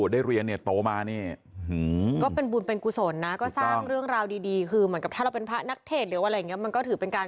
ได้ลองไปดูนะคะ